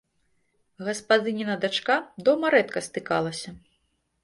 Гаспадыніна дачка дома рэдка стыкалася.